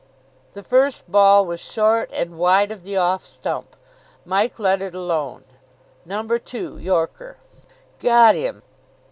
The first ball was short and wide of the off stump. Mike let it alone. Number two: yorker. Got him!